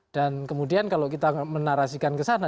dan kemudian kalau kita menarasikan ke sana